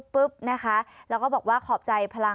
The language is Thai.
ปึ๊บนะคะแล้วก็บอกว่าขอบใจพลังนิสิตจุฬา